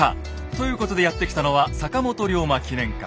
ということでやって来たのは坂本龍馬記念館。